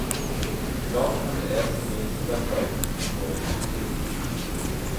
Dort konnte er zunächst überzeugen und wurde Kapitän.